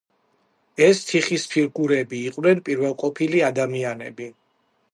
ეს თიხის ფიგურები იყვნენ პირველყოფილი ადამიანები.